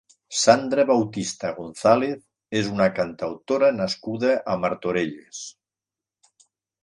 Sandra Bautista González és una cantautora nascuda a Martorelles.